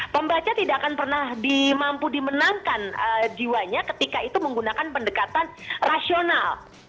pembaca tidak akan pernah mampu dimenangkan jiwanya ketika itu menggunakan pendekatan rasional